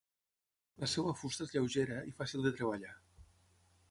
La seva fusta és lleugera i fàcil de treballar.